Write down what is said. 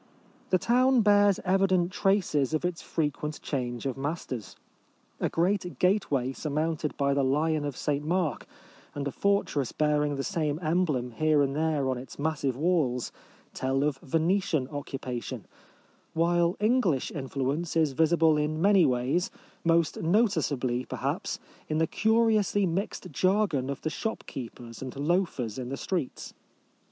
The town bears evident traces of its frequent change of masters. A 1878.] A Ride across the Peloponnese. 551 great gateway surmounted by the Lion of St Mark, and a fortress bearing the same emblem here and there on its massive walls, tell of Venetian occupation ; while English influence is visible in many ways — most noticeably, perhaps, in the curiously mixed jargon of the shop keepers and loafers in the streets.